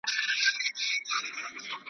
ویل ستوری دي د بخت پر ځلېدو سو .